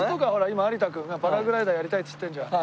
今有田君がパラグライダーやりたいって言ってるじゃん。